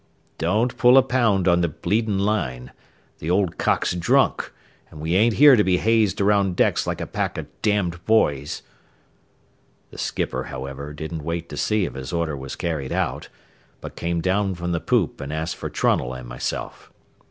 "Don't pull a pound on the bleeding line. The old cock's drunk, an' we ain't here to be hazed around decks like a pack o' damned boys." The skipper, however, didn't wait to see if his order was carried out, but came down from the poop and asked for Trunnell and myself.